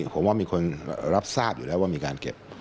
ผมว่ามีคนรับทราบอยู่แล้วว่ามีการเก็บ